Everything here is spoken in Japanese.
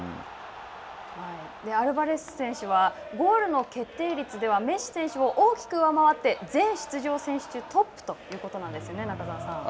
アルバレス選手はゴールの決定率ではメッシ選手を大きく上回って全出場選手中トップということなんですよね、中澤さん。